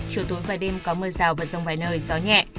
chiều tối và đêm có mưa rào và rông vài nơi gió nhẹ